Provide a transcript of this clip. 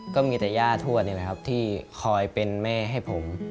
ก็มีแต่ย่าทวดนี่แหละครับที่คอยเป็นแม่ให้ผม